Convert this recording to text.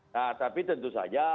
nah tapi tentu saja